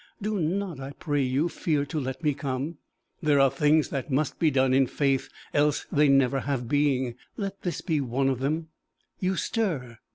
Do not, I pray you, fear to let me come! There are things that must be done in faith, else they never have being: let this be one of them. You stir."